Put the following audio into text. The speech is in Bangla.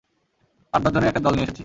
আমার দশজনের একটা দল নিয়ে এসেছি!